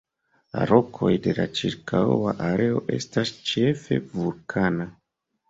La rokoj de la ĉirkaŭa areo estas ĉefe vulkana.